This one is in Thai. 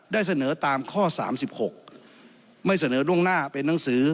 ได้เสนอตามข้อ๓๖ไม่เสนอล่วงหน้าเป็นหนังสือ